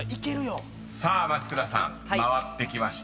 さあ松倉さん回ってきました］